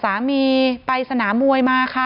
สามีไปสนามมวยมาค่ะ